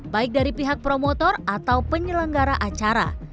baik dari pihak promotor atau penyelenggara acara